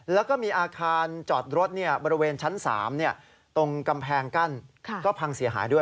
แล้วก็มีอาคารจอดรถบริเวณชั้น๓ตรงกำแพงกั้นก็พังเสียหายด้วย